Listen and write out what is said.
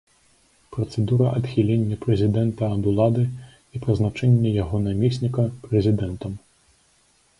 Працэдура адхілення прэзідэнта ад улады і прызначэння яго намесніка прэзідэнтам.